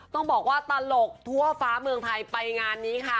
ต้องบอกว่าตลกทั่วฟ้าเมืองไทยไปงานนี้ค่ะ